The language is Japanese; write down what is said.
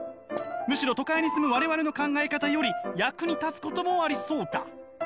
むしろ都会に住む我々の考え方より役に立つこともありそうだ」。